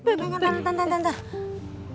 tunggu tunggu tunggu tunggu tunggu